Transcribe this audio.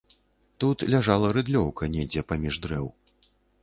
Тут ляжала рыдлёўка недзе паміж дрэў.